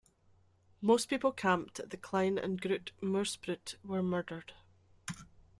Most people camped at the Klein- and Groot-Moordspruit were murdered.